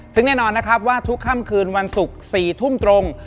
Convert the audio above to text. ซึ่งแน่นอนนะครับว่าทุกค่ำคืนวันศุกร์๔ทุ่มตรง